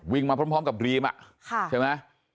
วิ่งมาพร้อมกับรีมอะใช่มั้ย